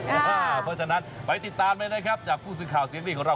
เพราะฉะนั้นไปติดตามเลยนะครับจากผู้สื่อข่าวเสียงดีของเรา